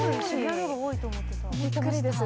びっくりです。